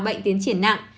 bệnh tiến triển nặng